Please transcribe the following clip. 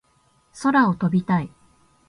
空を飛びたい